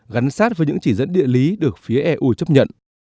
gắn sát với những chỉ dẫn địa lý được phía eu chấp nhận